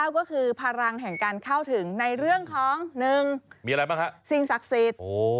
ก็คือพลังแห่งการเข้าถึงในเรื่องของ๑มีอะไรบ้างฮะสิ่งศักดิ์สิทธิ์